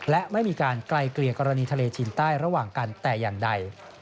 และไม่มีการไกลเกลี่ยกรณีทะเลจีนใต้ระหว่างกันแต่อย่างใด